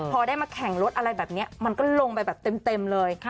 พอได้มาแข่งรถอะไรแบบนี้มันก็ลงไปแบบเต็มเลย